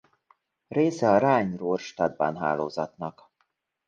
Része a Rhine-Ruhr Stadtbahn hálózatnak.